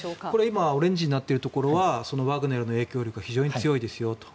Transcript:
今オレンジになっているところはワグネルの影響力が非常に強いですよと。